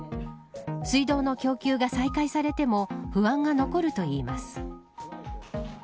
水道の供給が再開されても不安が残るといいます。